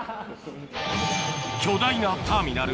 巨大なターミナル